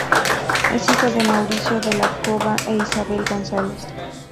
Es hijo de Mauricio de la Cova e Isabel González.